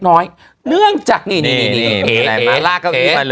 เนื่องจากเอก